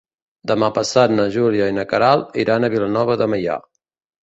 Demà passat na Júlia i na Queralt iran a Vilanova de Meià.